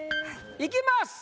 いきます